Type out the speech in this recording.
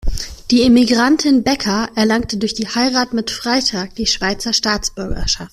Die Emigrantin Becker erlangte durch die Heirat mit Freitag die Schweizer Staatsbürgerschaft.